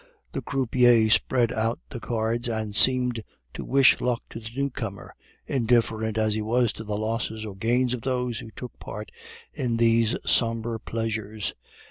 The croupier spread out the cards, and seemed to wish luck to the newcomer, indifferent as he was to the losses or gains of those who took part in these sombre pleasures.